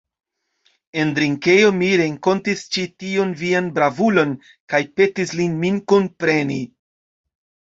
En drinkejo mi renkontis ĉi tiun vian bravulon kaj petis lin min kunpreni.